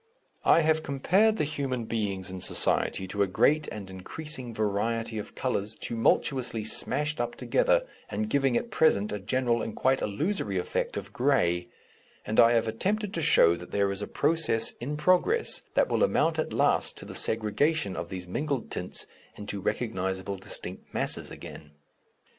I have compared the human beings in society to a great and increasing variety of colours tumultuously smashed up together, and giving at present a general and quite illusory effect of grey, and I have attempted to show that there is a process in progress that will amount at last to the segregation of these mingled tints into recognizable distinct masses again.